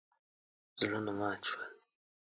زړونه مات شول.